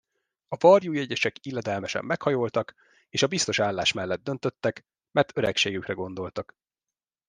A varjújegyesek illedelmesen meghajoltak, és a biztos állás mellett döntöttek, mert öregségükre gondoltak.